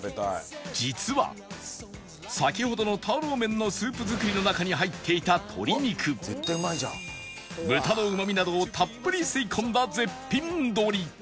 実は先ほどのターロー麺のスープ作りの中に入っていた鶏肉豚のうまみなどをたっぷり吸い込んだ絶品鶏